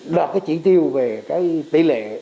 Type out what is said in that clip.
đạt cái chỉ tiêu về cái tỷ lệ